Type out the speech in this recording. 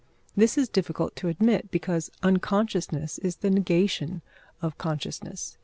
This is difficult to admit, because unconsciousness is the negation of consciousness.